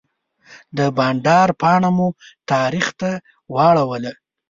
د بانډار پاڼه مو تاریخ ته واړوله.